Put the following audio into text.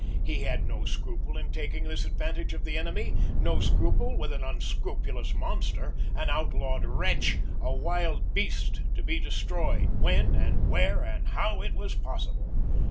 He had no scruple in taking this advantage of the enemy no scruple with an unscrupulous monster an outlawed wretch a wild beast to be destroyed, when and where and how it was possible!